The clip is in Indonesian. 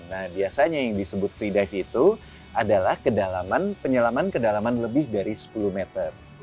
nah biasanya yang disebut free dive itu adalah penyelaman kedalaman lebih dari sepuluh meter